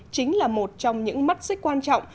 chính là một trong những mắt xích quan trọng